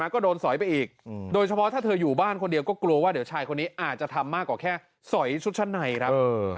ก็โดนสอยไปอีกโดยเฉพาะถ้าเธออยู่บ้านคนเดียวก็กลัวว่าเดี๋ยวชายคนนี้อาจจะทำมากกว่าแค่สอยชุดชั้นในครับ